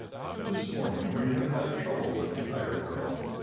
This morning we have had trouble with the hired girl.